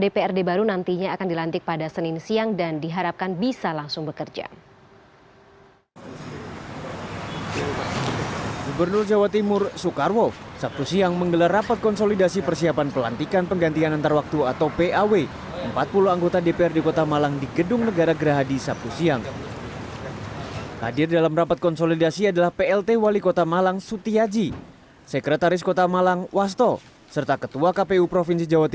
pada senin siang dan diharapkan bisa langsung bekerja